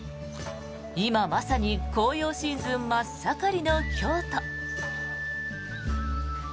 今まさに紅葉シーズン真っ盛りの京都。